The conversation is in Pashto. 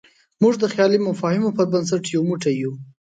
موږ د خیالي مفاهیمو په بنسټ یو موټی یو.